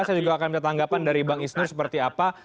saya juga akan minta tanggapan dari bang isnur seperti apa